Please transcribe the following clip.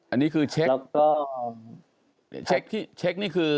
อันนี้คือเช็ค